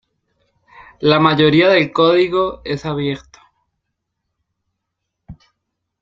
La mayoría del código es abierto.